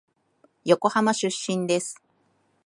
横浜出身です。